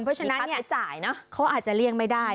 เพราะฉะนั้นเขาอาจจะเลี่ยงไม่ได้